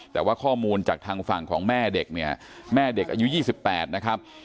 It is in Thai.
แต่ว่าข้อมูลจากทางฝั่งของแม่เด็กเนี่ยแม่เด็กอายุ๒๘นะครับ